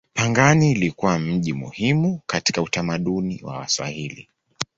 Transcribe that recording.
Pangani ilikuwa mji muhimu katika utamaduni wa Waswahili.